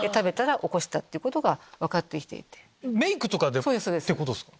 メイクとかでってことですか。